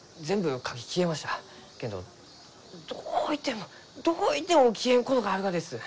けんどどういてもどういても消えんことがあるがです。